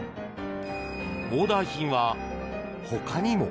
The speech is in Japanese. オーダー品はほかにも。